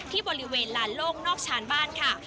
ที่บริเวณลานโล่งนอกชานบ้านค่ะ